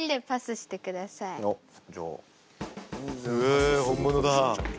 え本物だ。